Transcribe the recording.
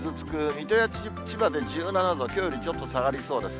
水戸や千葉で、１７度、きょうよりちょっと下がりそうです。